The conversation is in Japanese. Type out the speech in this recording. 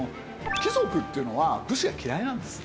貴族っていうのは武士が嫌いなんです。